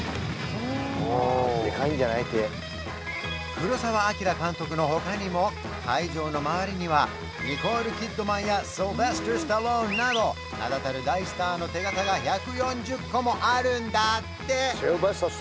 黒澤明監督の他にも会場の周りにはニコール・キッドマンやシルベスター・スタローンなど名だたる大スターの手形が１４０個もあるんだって！